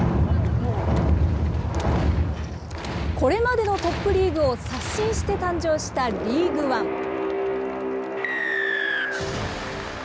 これまでのトップリーグを刷新して誕生したリーグワン。